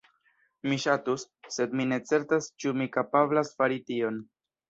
Mi ŝatus, sed mi ne certas ĉu mi kapablas fari tion.